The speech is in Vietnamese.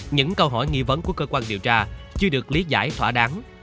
những câu hỏi nghi vấn của cơ quan điều tra chưa được lý giải thỏa đáng